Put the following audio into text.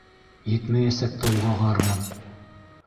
Етмәйәсәк тә уға гармун.